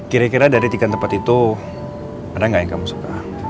kira kira dari tiga tempat itu ada nggak yang kamu suka